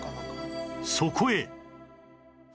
そこへ